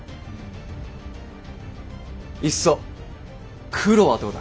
いっそ黒はどうだ。